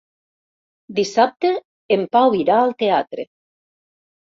Dissabte en Pau irà al teatre.